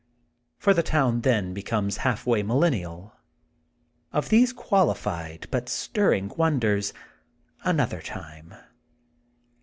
For the town, then, becomes half way millen nial. Of these qualified but stirring wonders, another time.